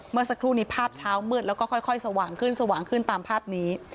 เมื่อสักครู่นี้ภาพเช้ามืดแล้วก็ค่อยสว่างขึ้นสว่างขึ้นตามภาพนี้